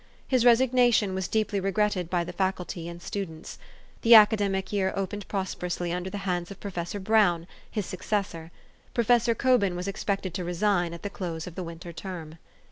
His resignation was deeply regretted by the Faculty and students. The academic year opened prosper ously under the hands of Professor Brown, his suc cessor. Professor Cobin was expected to resign at the close of the winter term.